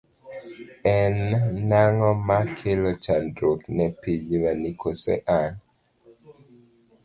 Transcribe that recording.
En ng'ano ma kelo chandruok ne pinywani in koso an?